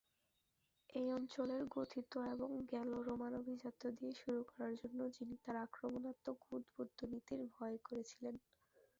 এই অঞ্চলের গথিক এবং গ্যালো-রোমান আভিজাত্য দিয়ে শুরু করার জন্য, যিনি তার আক্রমণাত্মক এবং উদ্ধত নীতির ভয় করেছিলেন।